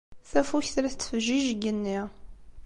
Tafukt la tettfejjij deg yigenni.